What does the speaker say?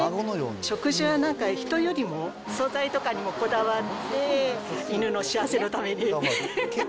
食事は人よりも素材とかにもこだわって、犬の幸せのために。